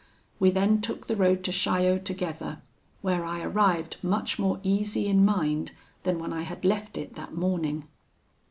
We then took the road to Chaillot together, where I arrived much more easy in mind than when I had left it that morning.